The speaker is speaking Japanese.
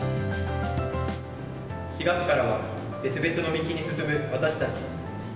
４月からは別々の道に進む私たち。